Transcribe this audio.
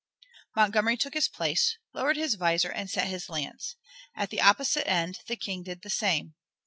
Montgomery took his place, lowered his visor, and set his lance. At the opposite end the King did the same.